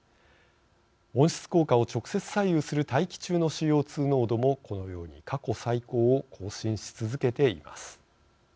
温室効果を直接、左右する大気中のＣＯ２濃度もこのように過去最高を更新し続けています。